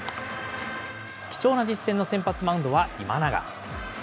貴重な実戦の先発マウンドは今永。